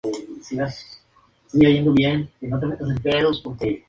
Todas las letras por Mario Ian.